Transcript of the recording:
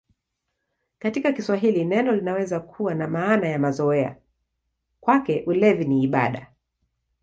Katika Kiswahili neno linaweza kuwa na maana ya mazoea: "Kwake ulevi ni ibada".